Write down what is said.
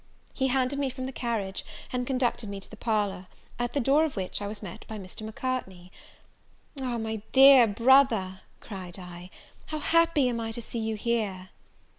He handed me from the carriage, and conducted me to the parlour, at the door of which I was met by Mr. Macartney. "Ah, my dear brother," cried I, "how happy am I to see you here!"